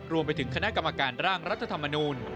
รวมไปถึงคณะกรรมการร่างรัฐธรรมนูล